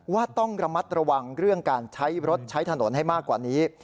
ว่าต้องระมัดระวังเรื่องการใช้รถใช้ถนนให้มากกว่านี้